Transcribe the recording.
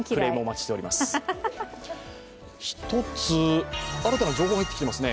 １つ、新たな情報が入ってきていますね。